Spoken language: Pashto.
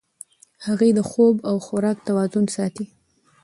هغې د خوب او خوراک توازن ساتي.